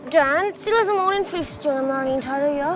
dan sila sama oli please jangan marahin tata ya